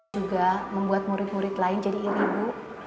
juga membuat murid murid lain jadi ibu